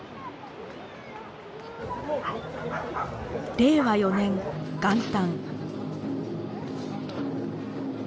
令和４年元旦。